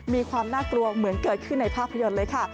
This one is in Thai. มีความน่ากลัวเหมือนเกิดขึ้นในภาพยนตร์เลยค่ะ